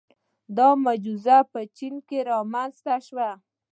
• دا معجزه په چین کې رامنځته شوه.